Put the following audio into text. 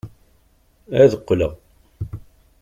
Ad qqleɣ.